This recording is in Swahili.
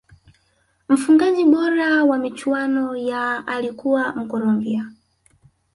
mfungaji bora wa michuano ya alikuwa mkolombia